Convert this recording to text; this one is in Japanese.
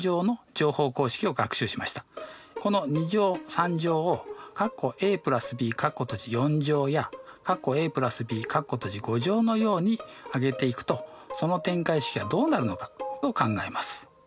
この２乗３乗をやのように上げていくとその展開式はどうなるのかを考えます。